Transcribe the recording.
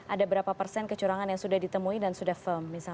ada berapa persen kecurangan yang sudah ditemui dan sudah firm